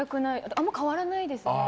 あんまり変わらないですね。